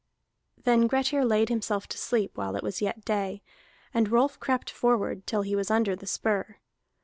Then Grettir laid himself to sleep while it was yet day, and Rolf crept forward till he was under the spur.